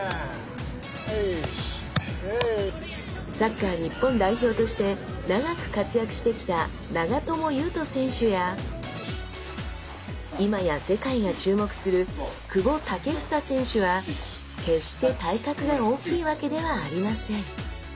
サッカー日本代表として長く活躍してきた長友佑都選手や今や世界が注目する久保建英選手は決して体格が大きいわけではありません。